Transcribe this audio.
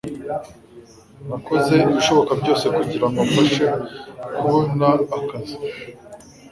Nakoze ibishoboka byose kugirango mfashe kubona akazi.